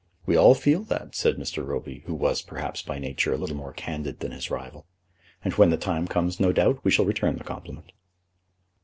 "We all feel that," said Mr. Roby, who was, perhaps, by nature a little more candid than his rival, "and when the time comes no doubt we shall return the compliment."